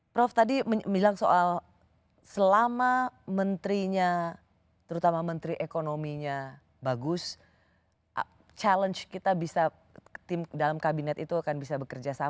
prof tadi bilang soal selama menterinya terutama menteri ekonominya bagus challenge kita bisa tim dalam kabinet itu akan bisa bekerja sama